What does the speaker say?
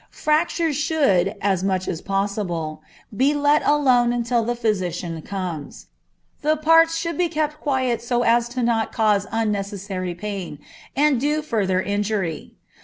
Fractures should, as much as possible, be let alone till the physician comes. The parts should be kept quiet so as not to cause unnecessary pain, and do further injury.